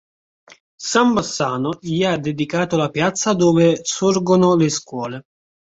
San Bassano gli ha dedicato la piazza dove sorgono le scuole.